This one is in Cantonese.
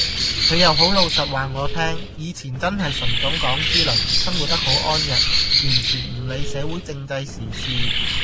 佢又好老實話我聽，以前真係純種港豬嚟，生活得好安逸，完全唔理社會政制時事